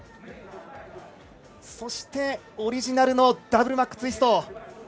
そして、オリジナルのダブルマックツイスト。